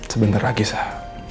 sebentar lagi sah